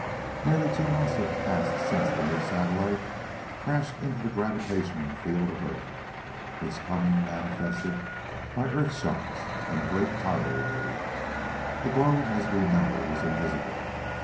"Nearly two months have passed since the new satellite crashed into the gravitational field of Earth, its coming manifested by earth shocks and a great tidal wave. The globe, as we know, was invisible.